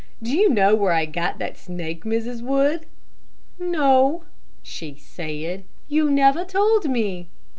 Do you know where I got that snake, Mrs. Wood?" "No," she said; "you never told me."